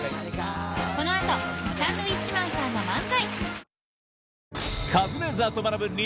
この後サンドウィッチマンさんの漫才